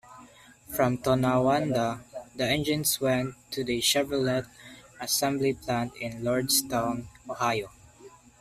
From Tonawanda, the engines went to the Chevrolet assembly plant in Lordstown, Ohio.